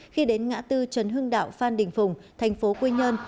khi đến ngã tư trần hưng đạo phan đình phùng tp quy nhơn